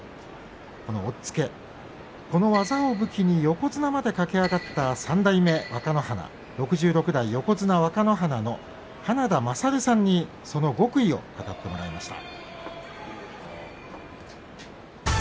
この押っつけ、この技を武器に横綱まで駆け上がった３代目若乃花６６代横綱若乃花の花田虎上さんにその極意を語ってもらいました。